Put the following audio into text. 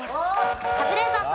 カズレーザーさん。